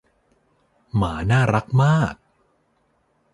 หมาน่ารักมาก